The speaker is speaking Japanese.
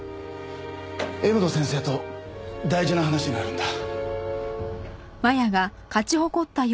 柄本先生と大事な話があるんだ。